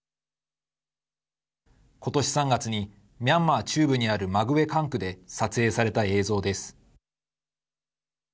ことし３月にミャンマー中部にあるマグウェ管区で撮影された映像です。